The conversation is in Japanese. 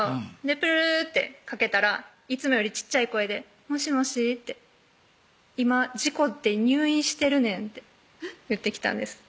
プルルルッてかけたらいつもより小っちゃい声で「もしもし」って「今事故って入院してるねん」って言ってきたんです